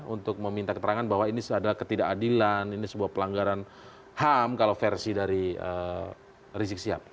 untuk meminta keterangan bahwa ini adalah ketidakadilan ini sebuah pelanggaran ham kalau versi dari rizik sihab